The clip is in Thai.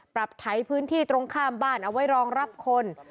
ไถพื้นที่ตรงข้ามบ้านเอาไว้รองรับคน